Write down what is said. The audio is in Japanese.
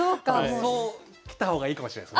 そう来た方がいいかもしれないですね。